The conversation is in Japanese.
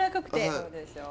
そうでしょう。